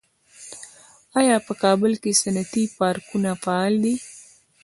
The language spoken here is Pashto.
آیا په کابل کې صنعتي پارکونه فعال دي؟